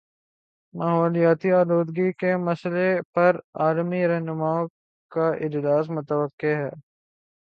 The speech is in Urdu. ماحولیاتی آلودگی کے مسئلے پر عالمی رہنماؤں کا اجلاس متوقع ہے